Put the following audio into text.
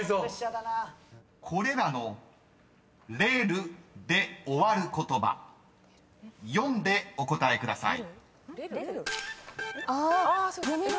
［これらの「れる」で終わる言葉読んでお答えください］